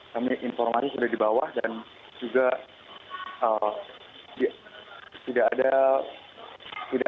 kami informasi sudah di bawah dan juga tidak ada